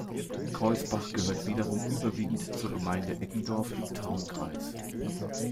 Kroisbach gehört wiederum überwiegend zur Gemeinde Eggendorf im Traunkreis.